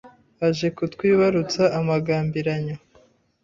Aje kutwibarutsa amagambiranyo